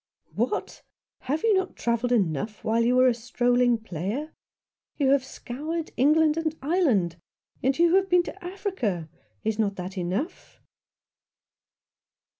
" What ! Have you not travelled enough while you were a strolling player ? You have scoured England and Ireland, and you have been to Africa. Is not that enough